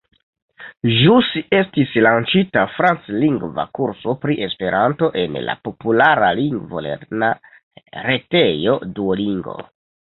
Ĵus estis lanĉita franclingva kurso pri Esperanto en la populara lingvolerna retejo Duolingo.